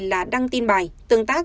là đăng tin bài tương tác